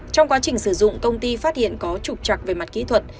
trong quá trình sử dụng công ty phát hiện có trục trặc về mặt kỹ thuật